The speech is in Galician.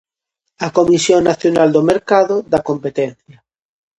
A Comisión Nacional do Mercado da Competencia.